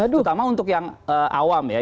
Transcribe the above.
terutama untuk yang awam ya